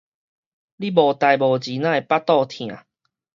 你無代無誌哪會腹肚疼？